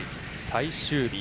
最終日。